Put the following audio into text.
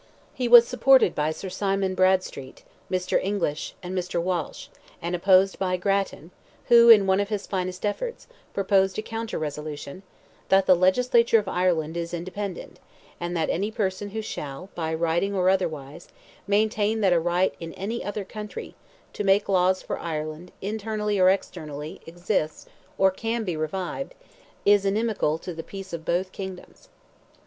He was supported by Sir Simon Bradstreet, Mr. English, and Mr. Walshe, and opposed by Grattan, who, in one of his finest efforts, proposed a counter resolution, "that the legislature of Ireland is independent; and that any person who shall, by writing or otherwise, maintain that a right in any other country, to make laws for Ireland, internally or externally, exists or can be revived, is inimical to the peace of both kingdoms."